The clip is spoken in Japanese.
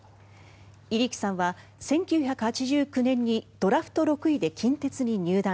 入来さんは１９８９年にドラフト６位で近鉄に入団。